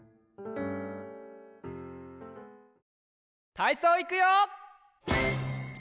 たいそういくよ！